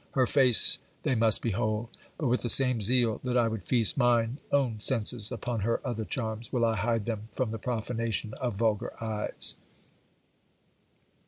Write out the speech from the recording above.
Her face they must behold; but, with the same zeal that I would feast mine own senses upon her other charms, will I hide them from the profanation of vulgar eyes.